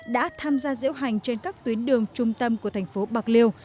đã tham gia diễu hành trên các tuyến đường trung tâm của tp bạc liêu